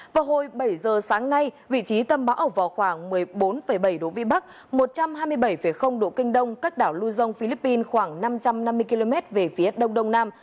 vào hồi bảy giờ sáng nay vị trí tâm bão ở vào khoảng một mươi bốn bảy độ vĩ bắc một trăm hai mươi bảy độ kinh đông cách đảo lưu dông philippines khoảng năm trăm năm mươi km về phía đông đông nam